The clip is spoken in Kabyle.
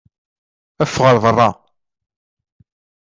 Ffeɣ ɣer berra!